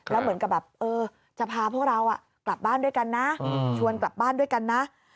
แล้วเหมือนกับแบบเออจะพาพวกเรากลับบ้านด้วยกันนะชวนกลับบ้านด้วยกันนะ